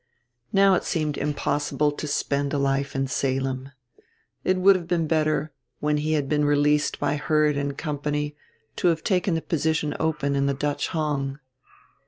Now it seemed impossible to spend a life in Salem. It would have been better, when he had been released by Heard and Company, to have taken the position open in the Dutch Hong.